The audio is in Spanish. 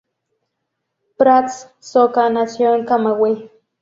Prats Soca nació en Camagüey.